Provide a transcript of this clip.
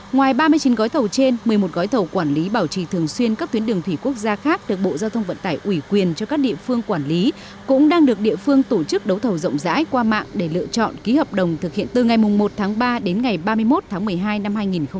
ngoài ba mươi chín gói thầu trên một mươi một gói thầu quản lý bảo trì thường xuyên các tuyến đường thủy quốc gia khác được bộ giao thông vận tải ủy quyền cho các địa phương quản lý cũng đang được địa phương tổ chức đấu thầu rộng rãi qua mạng để lựa chọn ký hợp đồng thực hiện từ ngày một tháng ba đến ngày ba mươi một tháng một mươi hai năm hai nghìn hai mươi